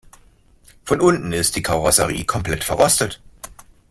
Von unten ist die Karosserie komplett verrostet.